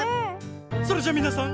それじゃみなさん